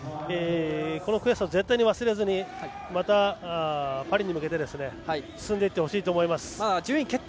この悔しさを絶対に忘れずにまたパリに向けて進んでいってほしいと思います。